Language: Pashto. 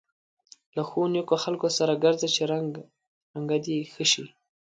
له ښو نېکو خلکو سره ګرځه چې رنګه دې ښه شي.